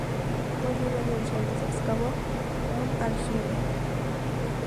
Bajo el nivel del suelo se excavó un aljibe.